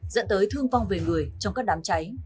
dẫn tới thương vong về người trong các đám cháy